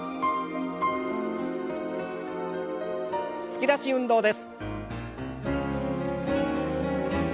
突き出し運動です。